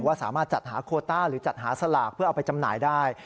สามารถจัดหาโคต้าหรือจัดหาสลากเพื่อเอาไปจำหน่ายได้